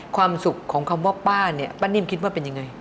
ความสุขของคำว่าป้าเนี่ยป้านิ่มคิดว่าเป็นยังไง